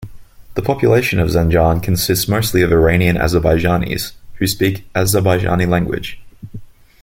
The population of Zanjan consists mostly of Iranian Azerbaijanis who speak Azerbaijani language.